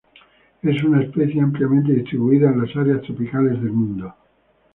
Es una especie ampliamente distribuida en las áreas tropicales del mundo.